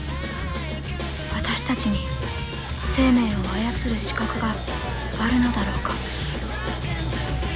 私たちに生命を操る資格があるのだろうか。